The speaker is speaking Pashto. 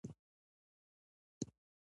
د میلانوما د پوست تور سرطان دی.